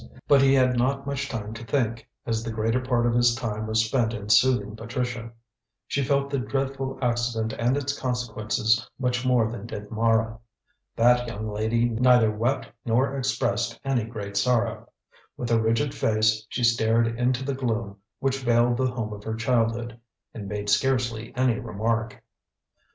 But he had not much time to think, as the greater part of his time was spent in soothing Patricia. She felt the dreadful accident and its consequences much more than did Mara. That young lady neither wept nor expressed any great sorrow. With a rigid face she stared into the gloom which veiled the home of her childhood, and made scarcely any remark.